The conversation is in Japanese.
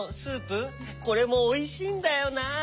これもおいしいんだよな。